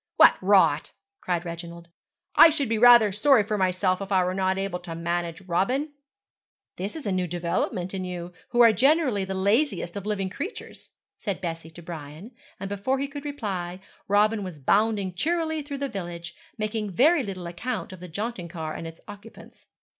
'What rot!' cried Reginald. 'I should be rather sorry for myself if I were not able to manage Robin.' 'This is a new development in you, who are generally the laziest of living creatures,' said Bessie to Brian, and before he could reply, Robin was bounding cheerily through the village, making very little account of the jaunting car and its occupants.